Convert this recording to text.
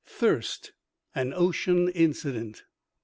THIRST I AN OCEAN INCIDENT.